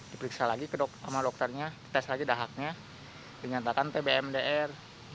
diperiksa lagi sama dokternya dites lagi dahaknya dinyatakan tbmdr